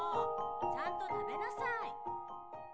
ちゃんと食べなさい！